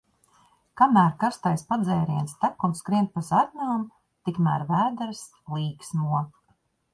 Kamēr karstais padzēriens tek un skrien pa zarnām, tikmēr vēders līksmo.